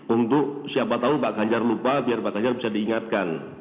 untuk siapa tahu pak ganjar lupa biar pak ganjar bisa diingatkan